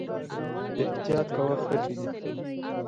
احتياط کوه، خټې دي